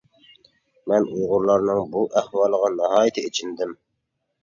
مەن ئۇيغۇرلارنىڭ بۇ ئەھۋالىغا ناھايىتى ئېچىندىم.